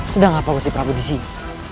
sedang apa gue si prabu disini